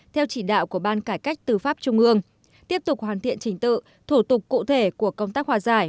theo chỉ đạo của ban cải cách tư pháp trung ương tiếp tục hoàn thiện trình tự thủ tục cụ thể của công tác hòa giải